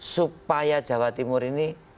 supaya jawa timur ini